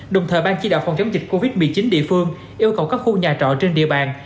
đồng thời ban chỉ đạo phòng chống dịch covid một mươi chín địa phương yêu cầu các khu nhà trọ trên địa bàn